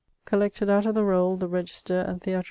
Collected out of the Roll, the register, and Theatrum Chemicum.